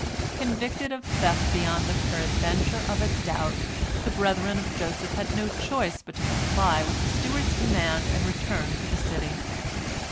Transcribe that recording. Convicted of theft beyond the peradventure of a doubt, the brethren of Joseph had no choice but to comply with the steward's command and return to the city.